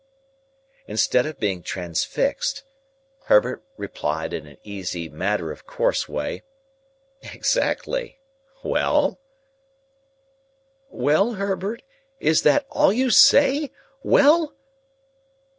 Instead of being transfixed, Herbert replied in an easy matter of course way, "Exactly. Well?" "Well, Herbert? Is that all you say? Well?"